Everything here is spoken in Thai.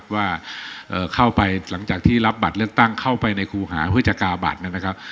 ว่าเข้าไปหลังจากที่รับบัตรเลือกตั้งเข้าไปในครูหาเพื่อจะกาบัตรนะครับ